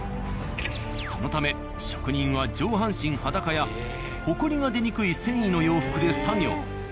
そのため職人は上半身裸やホコリが出にくい繊維の洋服で作業。